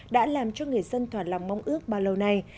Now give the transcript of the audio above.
đã làm cho người dân toàn lòng mong ước bao lâu nay